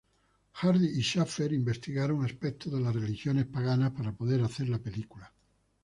Hardy y Shaffer investigaron aspectos de las religiones paganas para poder hacer la película.